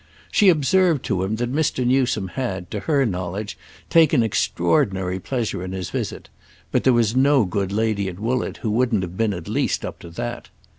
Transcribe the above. She observed to him that Mr. Newsome had, to her knowledge, taken extraordinary pleasure in his visit; but there was no good lady at Woollett who wouldn't have been at least up to that.